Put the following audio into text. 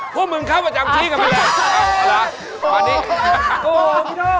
พวกมึงเข้าประจำชี้กันไปเลย